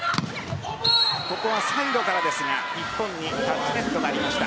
ここはサイドからですが日本にタッチネットがありました。